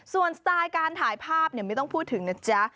ส่วนสไตล์การถ่ายภาพไม่ต้องพูดถึงนะจ๊ะ